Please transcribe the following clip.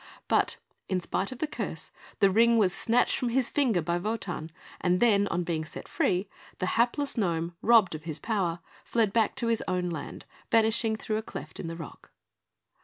But in spite of the curse, the Ring was snatched from his finger by Wotan, and then, on being set free, the hapless gnome, robbed of his power, fled back to his own land, vanishing through a cleft in the rock.